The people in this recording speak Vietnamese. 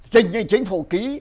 dình như chính phủ ký